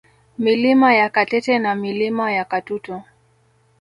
Milima ya Katete na Milima ya Katutu